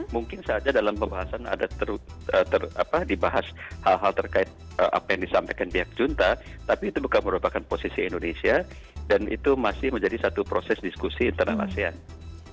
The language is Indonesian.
mungkin saja dalam pembahasan ada dibahas hal hal terkait apa yang disampaikan pihak junta tapi itu bukan merupakan posisi indonesia dan itu masih menjadi satu proses diskusi internal asean